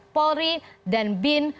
polri dan bin